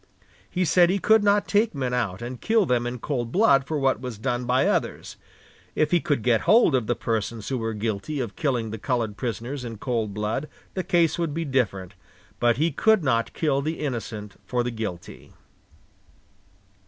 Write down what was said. He said he could not take men out and kill them in cold blood for what was done by others. If he could get hold of the persons who were guilty of killing the colored prisoners in cold blood, the case would be different, but he could not kill the innocent for the guilty."